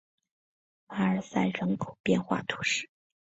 马尔赛人口变化图示